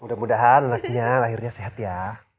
mudah mudahan anaknya lahirnya sehat ya